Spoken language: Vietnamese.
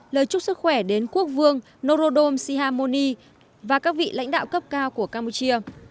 lời chúc sức khỏe đến quốc vương norodom sihamoni và các vị lãnh đạo cấp cao của campuchia